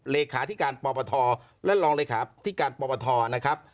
เหลขาที่การปอปธและรองเหลขาที่การปอปธนะครับ